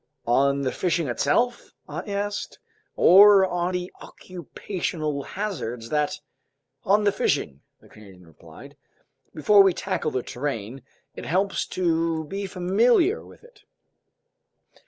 "On the fishing itself?" I asked. "Or on the occupational hazards that—" "On the fishing," the Canadian replied. "Before we tackle the terrain, it helps to be familiar with it."